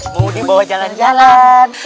mau dibawa jalan jalan